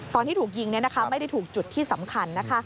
ตอนที่ถูกยิงไม่ได้ถูกจุดที่สำคัญนะคะ